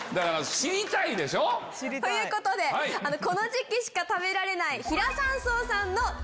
知りたい。ということでこの時期しか食べられない比良山荘さんの。